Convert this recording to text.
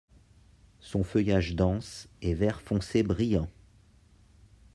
Son feuillage dense est vert foncé brillant.